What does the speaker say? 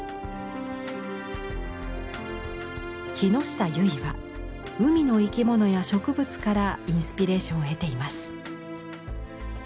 木下結衣は海の生き物や植物からインスピレーションを得ています。